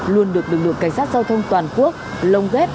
luôn được lực lượng cảnh sát giao thông toàn quốc lồng ghép